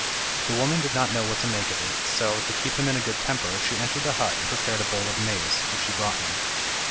The woman did not know what to make of it, so, to keep him in a good temper, she entered the hut and prepared a bowl of maize, which she brought him.